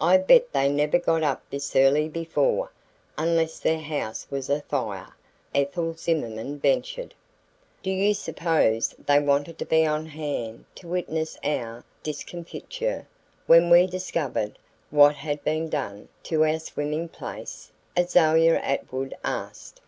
"I bet they never got up this early before unless their house was afire," Ethel Zimmerman ventured. "Do you suppose they wanted to be on hand to witness our discomfiture when we discovered what had been done to our swimming place?" Azalia Atwood asked.